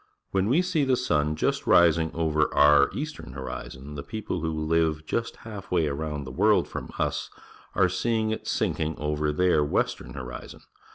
When we see the sun just rising over our eastern horizon, the people who live just half way around the woi'ld from us are seeing it sinking over their western horizon.